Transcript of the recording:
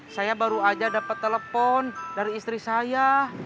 saya baru aja dapat telepon dari istri saya